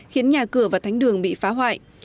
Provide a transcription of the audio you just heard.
khiến nhà cửa và thánh đường bị phá hoại